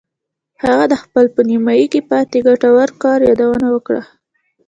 هغه د خپل په نیمایي کې پاتې ګټور کار یادونه وکړه